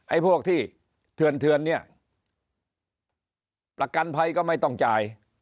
พวกที่เถื่อนเนี่ยประกันภัยก็ไม่ต้องจ่าย